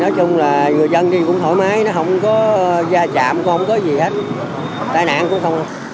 nhưng di chuyển vẫn ổn định